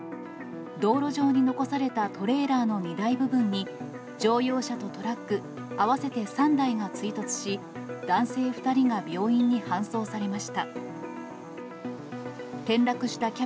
道路上に残されたトレーラーの荷台部分に、乗用車とトラック合わせて３台が追突し、男性２人が病院に搬送されました。